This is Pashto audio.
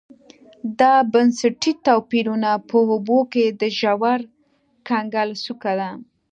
دا بنسټي توپیرونه په اوبو کې د ژور کنګل څوکه ده